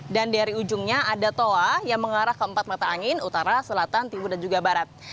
dan dari ujungnya ada toa yang mengarah ke empat mata angin utara selatan timur dan juga barat